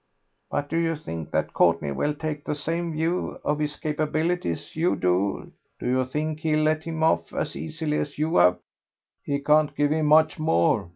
"But do you think that Courtney will take the same view of his capabilities as you do do you think he'll let him off as easily as you have?" "He can't give him much more....